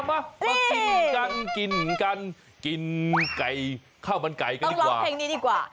มากินกันข้าวมันไก่ต้องราวปังกี้นี่ดีกว่า